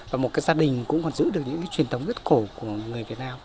và một cái gia đình cũng còn giữ được những cái truyền thống rất cổ của người việt nam